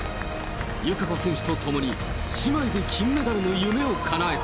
友香子選手と共に、姉妹で金メダルの夢をかなえた。